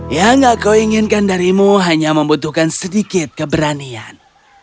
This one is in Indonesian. yang aku inginkan darimu hanya membutuhkan sedikit keberanian